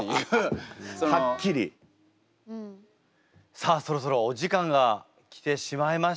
さあそろそろお時間が来てしまいました。